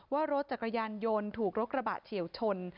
ว่ารถจักรยานยนต์ถูกรถกระบะเฉียวชน